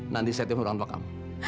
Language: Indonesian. nanti saya timur orang tua kamu